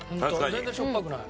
全然しょっぱくない。